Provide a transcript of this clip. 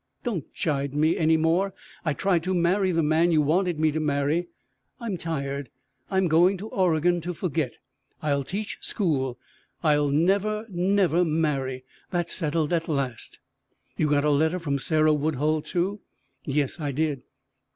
Don't chide me any more. I tried to marry the man you wanted me to marry. I'm tired. I'm going to Oregon to forget. I'll teach school. I'll never, never marry that's settled at last." "You got a letter from Sam Woodhull too." "Yes, I did."